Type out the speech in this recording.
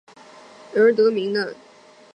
该地区以它的首府汉诺威而得名。